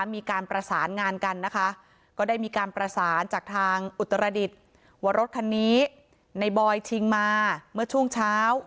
มีการประสานงานกันจากทางอุตรดิตวรรษคันนี้ในบอยชิงมาเมื่อช่วงเช้า